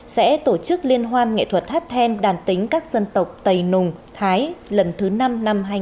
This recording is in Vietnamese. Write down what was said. sẽ tổ chức liên hoan nghệ thuật hát then đàn tính các dân tộc tây nùng thái lần thứ năm năm hai nghìn một mươi chín